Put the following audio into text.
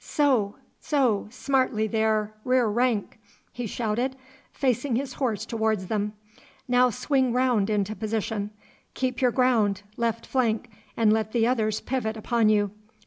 So, so, smartly there, rear rank!' he shouted, facing his horse towards them. 'Now swing round into position. Keep your ground, left flank, and let the others pivot upon you.